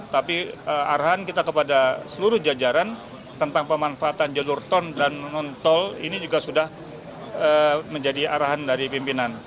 tapi arahan kita kepada seluruh jajaran tentang pemanfaatan jalur tol dan non tol ini juga sudah menjadi arahan dari pimpinan